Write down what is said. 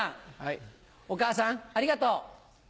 お母さんありがとう。